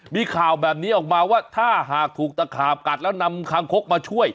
มีข่าวแบบนี้ออกมาว่าถ้าหากถูกตะขาบกัดแล้วนำคางคกมาช่วย